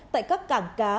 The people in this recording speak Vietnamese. tại các cảng cá